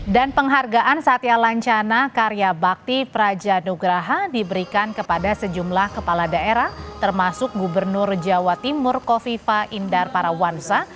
dan penghargaan satya lancana karya bakti praja nugraha diberikan kepada sejumlah kepala daerah termasuk gubernur jawa timur kofifa indar parawansa